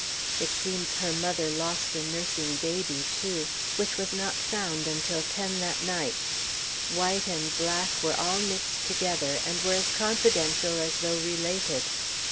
It seems her mother lost a nursing baby, too, which was not found until ten that night. White and black were all mixed together, and were as confidential as though related.